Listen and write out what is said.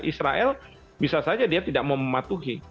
israel bisa saja dia tidak mematuhi